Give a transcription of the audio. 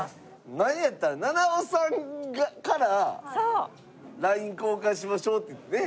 なんやったら菜々緒さんから「ＬＩＮＥ交換しましょう」ってねえ。